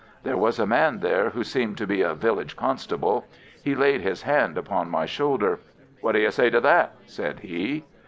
There was a man there who seemed to be a village constable. He laid his hand upon my shoulder. "What do you say to that?" said he.